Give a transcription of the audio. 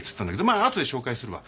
まあ後で紹介するわ。